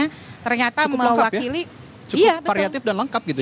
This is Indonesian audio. cukup lengkap ya cukup variatif dan lengkap gitu